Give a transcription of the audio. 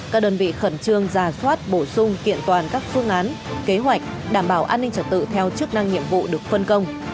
các đơn vị khẩn trương giả soát bổ sung kiện toàn các phương án kế hoạch đảm bảo an ninh trật tự theo chức năng nhiệm vụ được phân công